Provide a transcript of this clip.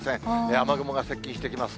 雨雲が接近してきます。